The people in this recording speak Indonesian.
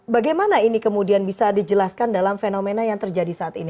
bagaimana ini kemudian bisa dijelaskan dalam fenomena yang terjadi saat ini